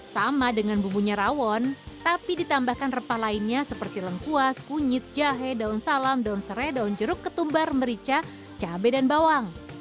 sama dengan bumbunya rawon tapi ditambahkan rempah lainnya seperti lengkuas kunyit jahe daun salam daun serai daun jeruk ketumbar merica cabai dan bawang